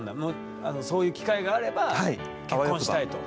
そういう機会があれば結婚したいと。